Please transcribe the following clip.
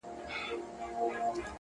ما ویل زه به ستا د شپې په زړه کي.!